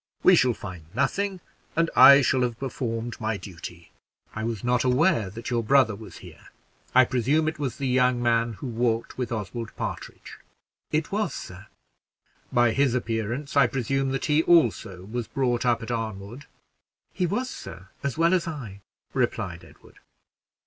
We shall find nothing, and I shall have performed my duty. I was not aware that your brother was here. I presume it was the young man who walked with Oswald Partridge." "It was, sir." "By his appearance, I presume that he, also, was brought up at Arnwood?" "He was, sir, as well as I," replied Edward.